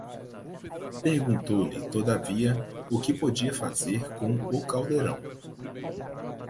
Perguntou-lhe, todavia, o que podia fazer com o caldeirão